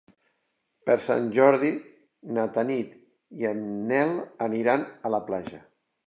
Per Sant Jordi na Tanit i en Nel aniran a la platja.